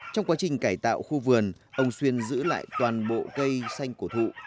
trong quá trình cải tạo khu vườn ông xuyên giữ lại toàn bộ cây xanh cổ thụ